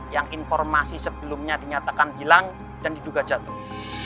yang informasi sebelumnya dinyatakan hilang dan diduga jatuh